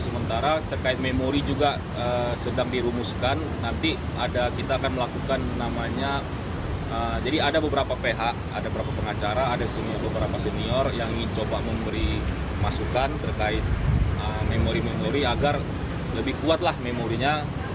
memori agar lebih kuatlah memorinya